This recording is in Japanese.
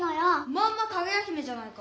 まんま「かぐや姫」じゃないか。